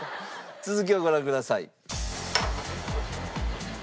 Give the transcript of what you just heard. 続きをご覧ください。